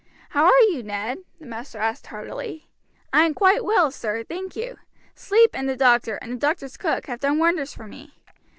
"How are you, Ned?" the master asked heartily. "I am quite well, sir, thank you. Sleep and the doctor, and the doctor's cook, have done wonders for me.